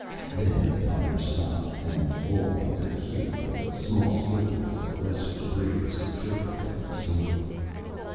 Then the thunder stopped and all one could hear was the small slitherings of the lesser debris as it trickled down the slope.